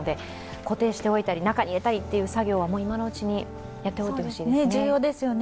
固定しておいたり、中に入れたりっていう作業はもう今のうちにやっておいてほしいですね。重要ですね。